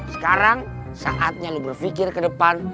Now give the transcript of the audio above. sekarang saatnya lu berpikir ke depan